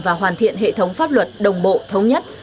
và hoàn thiện hệ thống pháp luật đồng bộ thống nhất